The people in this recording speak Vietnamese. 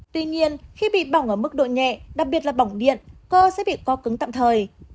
tuy nhiên khi bị bỏng ở mức độ nhẹ đặc biệt là bỏng điện cơ sẽ bị co cứng tạm thời